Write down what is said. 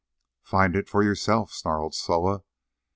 "Find it for yourself," snarled Soa.